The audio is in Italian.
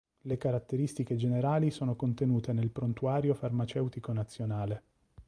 Le caratteristiche generali sono contenute nel prontuario farmaceutico nazionale.